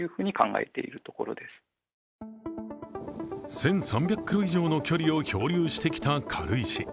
１３００ｋｍ以上の距離を漂流してきた軽石。